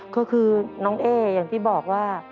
ก็คือน้องเอ๊อย่างที่บอกว่า